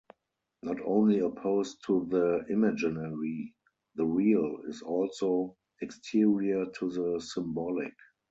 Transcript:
Not only opposed to the Imaginary, the Real is also exterior to the Symbolic.